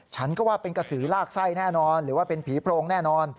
ฉันก็ว่าเป็นกระสือลากไส้แน่นอนหรือว่าเป็นผีโพรงแน่นอน